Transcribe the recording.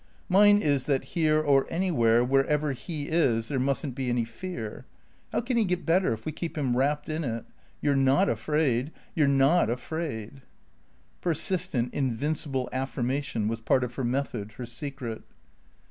"Mine is that here or anywhere wherever he is there mustn't be any fear. How can he get better if we keep him wrapped in it? You're not afraid. You're not afraid." Persistent, invincible affirmation was part of her method, her secret.